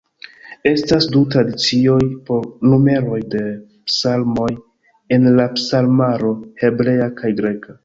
Estas du tradicioj por numeroj de psalmoj en la psalmaro: hebrea kaj greka.